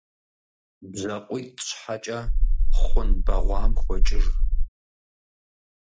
БжьакъуитӀ щхьэкӀэ хъун бэгъуам хокӀыж.